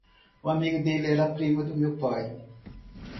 O amigo dele era primo do meu pai.